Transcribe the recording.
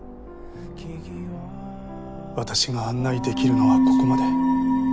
私が案内できるのはここまで。